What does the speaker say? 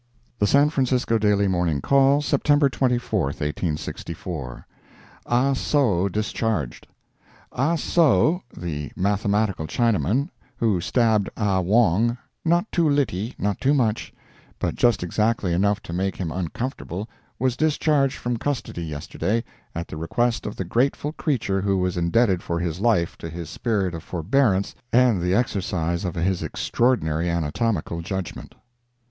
The San Francisco Daily Morning Call, September 24, 1864 AH SOW DISCHARGED Ah Sow, the mathematical Chinaman, who stabbed Ah Wong "not too litty, not too much," but just exactly enough to make him uncomfortable, was discharged from custody yesterday, at the request of the grateful creature who was indebted for his life to his spirit of forbearance and the exercise of his extraordinary anatomical judgment.